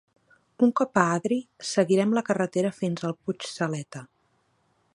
Un cop a Adri, seguirem la carretera fins al Puig Saleta.